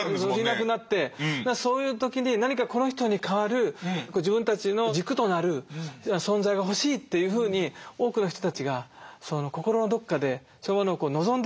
いなくなってそういう時に何かこの人に代わる自分たちの軸となる存在が欲しいというふうに多くの人たちが心のどこかでそういうものを望んでた。